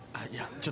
ちょっ。